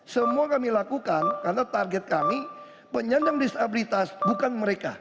semua kami lakukan karena target kami penyandang disabilitas bukan mereka